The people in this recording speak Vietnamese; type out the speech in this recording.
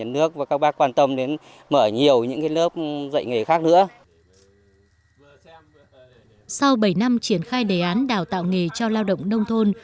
sau bảy năm triển khai đề án đào tạo nghề cho lao động nông thôn